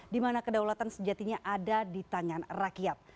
di mana kedaulatan sejatinya ada di tangan rakyat